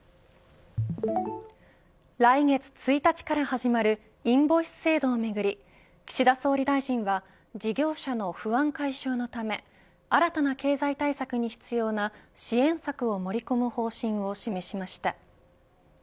来月１日から始まるインボイス制度をめぐり岸田総理大臣は事業者の不安解消のため新たな経済対策に必要な支援策を盛り込む方針を示しました。